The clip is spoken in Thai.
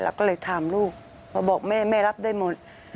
เราก็เลยถามลูกพอบอกแม่แม่รับได้หมด